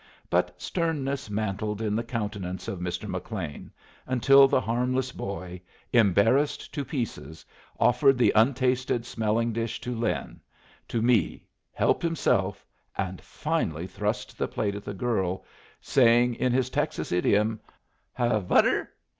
But sternness mantled in the countenance of Mr. McLean, until the harmless boy, embarrassed to pieces, offered the untasted smelling dish to Lin, to me, helped himself, and finally thrust the plate at the girl, saying, in his Texas idiom, "Have butter."